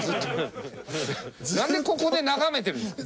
なんでここで眺めてるんですか？